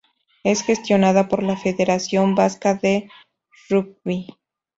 Es gestionada por la Federación Vasca de Rugby.